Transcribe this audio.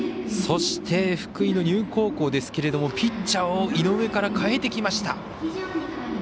そして、福井の丹生高校ですがピッチャーを井上から代えてきました。